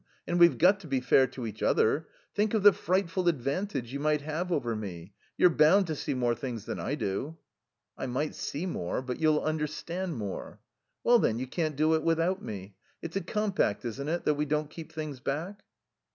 And we've got to be fair to each other. Think of the frightful advantage you might have over me. You're bound to see more things than I do." "I might see more, but you'll understand more." "Well, then, you can't do without me. It's a compact, isn't it, that we don't keep things back?"